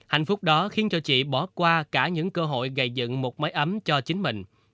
hạnh phúc đó khiến cho chị bỏ qua cả những cơ hội gây dựng một máy ấm cho chính mình